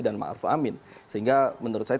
dan maaf amin sehingga menurut saya